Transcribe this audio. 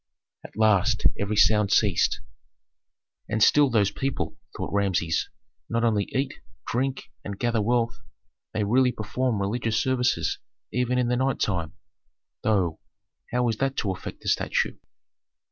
At last every sound ceased. "And still those people," thought Rameses, "not only eat, drink, and gather wealth they really perform religious services even in the night time; though, how is that to affect the statue?"